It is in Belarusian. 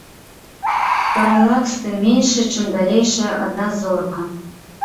Паралакс тым меншы, чым далейшая ад нас зорка.